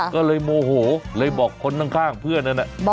ก็เลยโมโหเลยบอกคนข้างเพื่อนนั้น